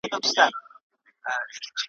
را نیژدې مي سباوون دی نازوه مي `